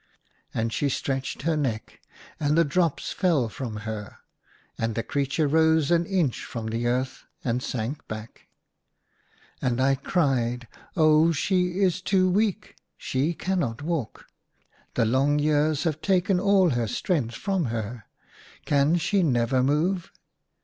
And she stretched her neck, and the drops fell from her. And the creature rose an inch from the earth and sank back. And I cried, " Oh, she is too weak ! she cannot walk ! The long years have taken all her strength from her. Can she never move